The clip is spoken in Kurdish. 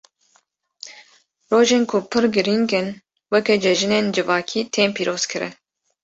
Rojên ku pir girîng in, weke cejinên civakî tên pîrozkirin.